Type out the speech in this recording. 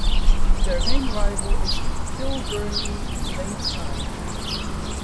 Their main rival is Kilbirnie Ladeside.